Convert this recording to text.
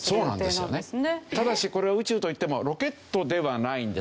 ただしこれは宇宙といってもロケットではないんですよ。